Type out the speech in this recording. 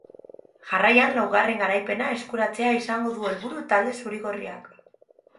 Jarraian laugarren garaipena eskuratzea izango du helburu talde zuri-gorriak.